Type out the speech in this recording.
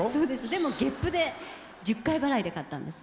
でも月賦で１０回払いで買ったんです。